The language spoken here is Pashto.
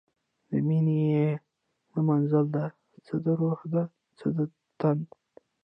د میینې د منزل ده، څه د روح ده څه د تن